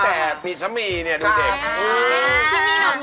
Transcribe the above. แต่ไม่หอยพอ